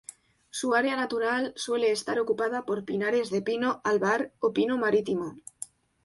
Su área natural suele estar ocupada por pinares de pino albar o pino marítimo.